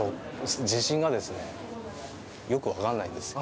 自信がですね、よく分からないんです。